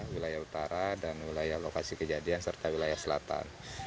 wilayah utara dan wilayah lokasi kejadian serta wilayah selatan